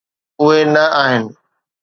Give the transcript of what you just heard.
اهي نه آهن.